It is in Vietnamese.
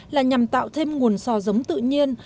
là nhằm tạo thêm nguồn sò giống tự nhiên